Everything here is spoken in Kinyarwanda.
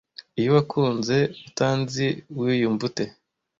iyo wankunze utanzi wiyumva ute